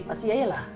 pasti ya iyalah